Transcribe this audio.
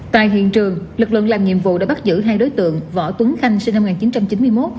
tại hiện trường lực lượng làm nhiệm vụ đã bắt giữ hai đối tượng võ tuấn khanh sinh năm một nghìn chín trăm chín mươi một